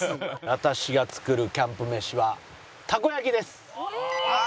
私が作るキャンプ飯はたこ焼きです！